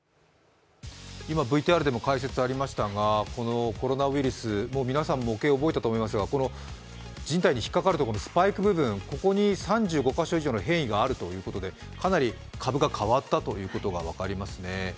ＶＴＲでも解説がありましたが、コロナウイルス、皆さんも模型覚えたと思いますが人体に引っかかるところのスパイク部分、ここに３５か所以上の変異があるということでかなり株が変わったということが分かりますね